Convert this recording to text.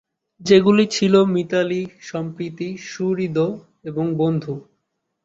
যেগুলি ছিল মিতালী, সম্প্রীতি, সুহৃদ এবং বন্ধু।